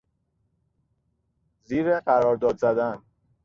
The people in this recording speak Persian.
زیر قرارداد زدن